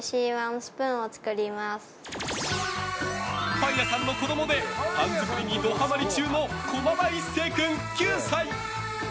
パン屋さんの子供でパン作りにドハマリ中の駒場壱晟君、９歳。